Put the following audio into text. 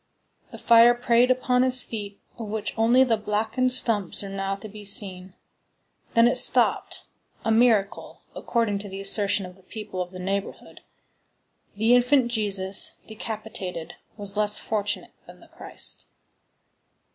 The fire preyed upon his feet, of which only the blackened stumps are now to be seen; then it stopped,—a miracle, according to the assertion of the people of the neighborhood. The infant Jesus, decapitated, was less fortunate than the Christ.